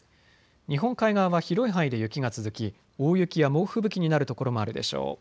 日本海側は広い範囲で雪が続き大雪や猛吹雪になるところもあるでしょう。